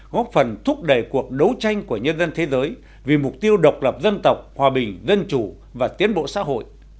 góp phần thúc đẩy cuộc đấu tranh của nhân dân thế giới vì mục tiêu độc lập dân tộc hòa bình dân chủ và tiến bộ xã hội